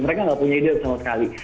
mereka nggak punya ide sama sekali